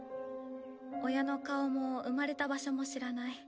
親の顔も生まれた場所も知らない。